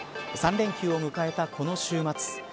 ３連休を迎えたこの週末。